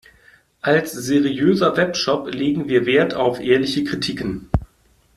Als seriöser Webshop legen wir Wert auf ehrliche Kritiken.